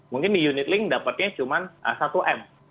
mungkin di unit link dapatnya cuma satu m